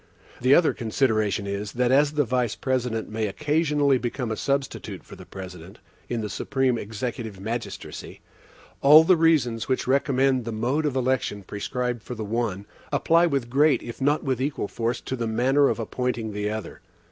The other consideration is, that as the Vice President may occasionally become a substitute for the President, in the supreme executive magistracy, all the reasons which recommend the mode of election prescribed for the one, apply with great if not with equal force to the manner of appointing the other.